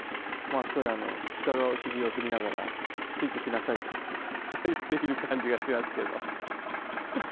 あそこにあの鹿がお尻を振りながらついてきなさいと言っている感じがしますけど。